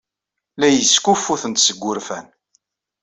La iyi-skuffutent seg wurfan.